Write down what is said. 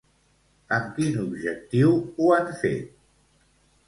Amb quin objectiu ho han fet?